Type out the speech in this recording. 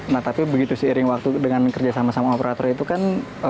nah tapi begitu seiring waktu dengan kerja sama sama operator itu kan